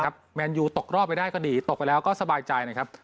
แมนยูตกรอบไปได้ก็ดีตกไปแล้วก็สบายใจนะครับ